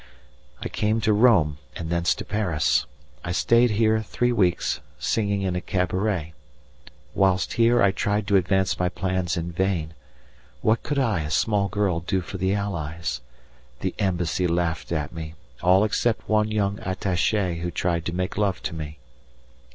I came to Rome; and thence to Paris. I stayed here three weeks, singing in a cabaret. Whilst here I tried to advance my plans in vain! What could I, a poor girl, do for the Allies? The Embassy laughed at me, all except one young attaché who tried to make love to me.